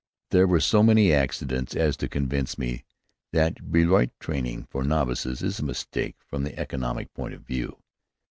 There were so many accidents as to convince me that Blériot training for novices is a mistake from the economic point of view.